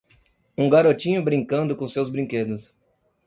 um garotinho brincando com seus brinquedos.